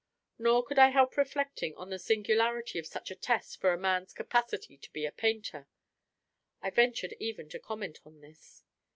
Nor could I help reflecting on the singularity of such a test for a man's capacity to be a painter. I ventured even to comment on this.